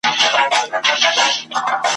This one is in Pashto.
ښوروله یې لکۍ کاږه ښکرونه !.